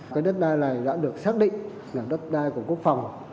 cái đất đai này đã được xác định là đất đai của quốc phòng